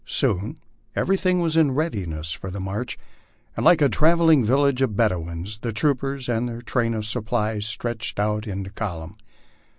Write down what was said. Soon everything was in readiness for the march, and like a travelling village of Bedouins, the troopers and their train of supplies stretched out into column.